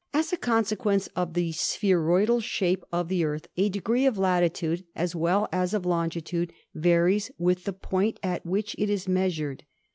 As a consequence of the spheroidal shape of the Earth a degree of latitude, as well as of longitude, varies with the point at which it is measured.